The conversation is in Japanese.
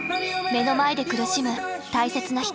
目の前で苦しむ大切な人。